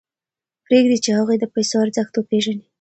پرېږدئ چې هغوی د پیسو ارزښت وپېژني.